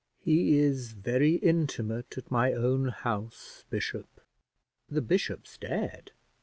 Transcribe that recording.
"He is very intimate at my own house, bishop." The bishop stared.